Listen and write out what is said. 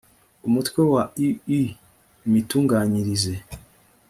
umutwe wa ii: imitunganyirize